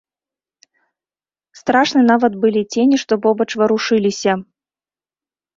Страшны нават былі цені, што побач варушыліся.